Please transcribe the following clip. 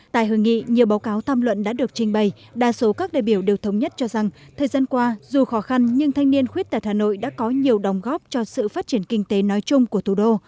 tại hội nghị nhiều báo cáo tham luận đã được trình bày đa số các đại biểu đều thống nhất cho rằng thời gian qua dù khó khăn nhưng thanh niên khuyết tật hà nội đã có nhiều đồng góp cho sự phát triển kinh tế nói chung của thủ đô